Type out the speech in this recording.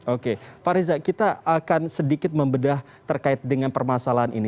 oke pak reza kita akan sedikit membedah terkait dengan permasalahan ini